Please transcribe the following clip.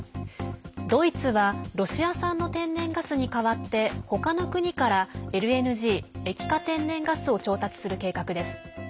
ドイツはロシア産の天然ガスに代わってほかの国からＬＮＧ＝液化天然ガスを調達する計画です。